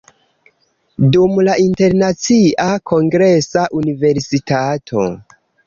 Dum la Internacia Kongresa Universitato.